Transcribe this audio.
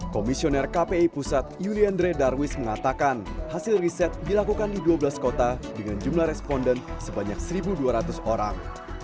komisioner kpi pusat yuliandre darwis mengatakan hasil riset dilakukan di dua belas kota dengan jumlah responden sebanyak satu dua ratus orang